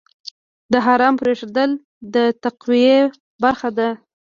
د حرام پرېښودل د تقوی برخه ده.